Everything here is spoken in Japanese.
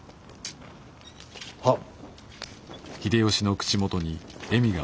はっ。